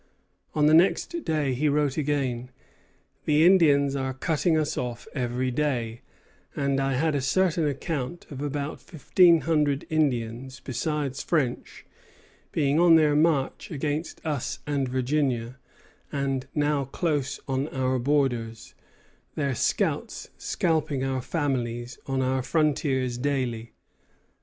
On the next day he wrote again: "The Indians are cutting us off every day, and I had a certain account of about fifteen hundred Indians, besides French, being on their march against us and Virginia, and now close on our borders, their scouts scalping our families on our frontiers daily."